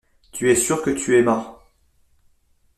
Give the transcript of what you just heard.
Tu es sûr que tu aimas.